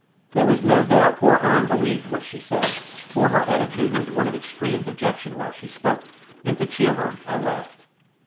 There was no doubt poor An believed what she said, for her attitude was one of extreme dejection while she spoke, and to cheer her I laughed.